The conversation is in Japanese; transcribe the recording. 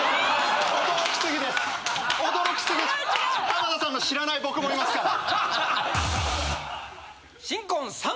浜田さんの知らない僕もいますから。